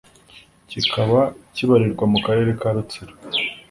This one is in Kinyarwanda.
kikaba kibarirwa mu Karere ka Rutsiro